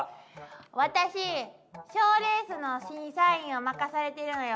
私賞レースの審査員を任されているのよ。